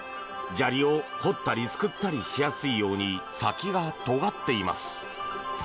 砂利を掘ったりすくったりしやすいように先が尖っています。